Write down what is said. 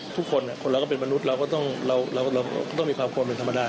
ทุกคนคนเราก็เป็นมนุษย์เราก็ต้องเราต้องมีความควรเป็นธรรมดา